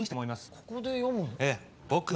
ここで読むの？